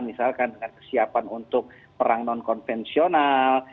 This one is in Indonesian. misalkan dengan kesiapan untuk perang nonkonvensional